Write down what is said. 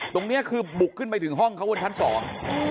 ตรงนี้คือบุกขึ้นไปถึงห้องเขาบนชั้นสอง